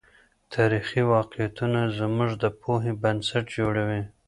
تاريخي واقعيتونه زموږ د پوهې بنسټ جوړوي.